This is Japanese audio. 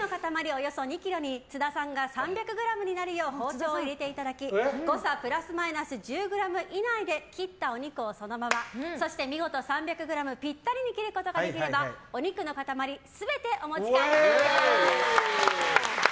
およそ２ｋｇに津田さんが３００ｇになるよう包丁を入れていただき誤差プラスマイナス１０ｇ以内で切ったお肉をそのままそして見事３００ｇぴったりに切ることができればお肉の塊全てお持ち帰りいただけます。